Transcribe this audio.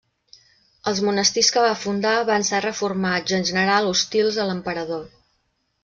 Els monestirs que va fundar van ser reformats i en general hostils a l'emperador.